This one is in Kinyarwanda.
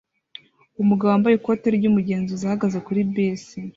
Umugabo wambaye ikoti ry'umugenzuzi ahagaze kuri bisi